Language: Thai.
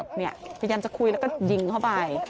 พยายามจะคุยแล้วก็ยิงเข้าไป